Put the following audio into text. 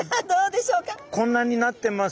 こんなになってます。